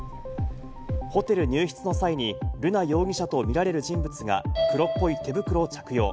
ホテル入室の際に瑠奈容疑者と見られる人物が黒っぽい手袋を着用。